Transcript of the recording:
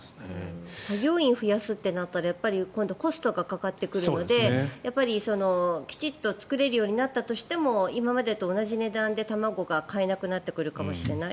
作業員を増やすとなったら今度はコストがかかってくるのできちんと作れるようになったとしても今までと同じ値段で卵が買えなくなってくるかもしれない。